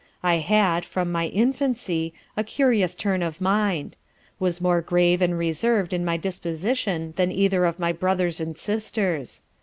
I had, from my infancy, a curious turn of mind; was more grave and reserved in my disposition than either of my brothers and sisters.